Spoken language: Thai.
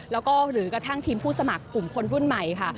แล้วก็หรือกระทั่งทีมผู้สมัครกลุ่มคนรุ่นใหม่ค่ะ